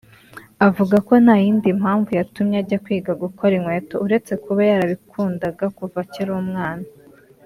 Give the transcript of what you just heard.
Avuga ko nta yindi mpamvu yatumye ajya kwiga gukora inkweto uretse kuba yarabikundaga kuva akiri umwana